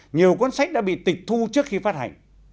nhiều cuốn sách đã bị tịch thu trước khi phát hành